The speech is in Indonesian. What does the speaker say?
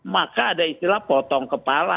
maka ada istilah potong kepala